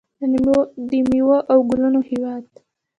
د میوو او ګلونو هیواد.